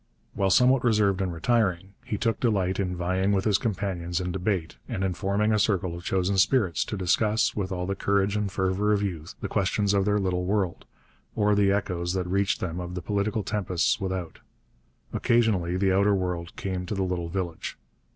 While somewhat reserved and retiring, he took delight in vying with his companions in debate and in forming a circle of chosen spirits to discuss, with all the courage and fervour of youth, the questions of their little world, or the echoes that reached them of the political tempests without. Occasionally the outer world came to the little village.